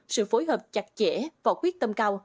sự phối hợp chặt chẽ và quyết tâm cao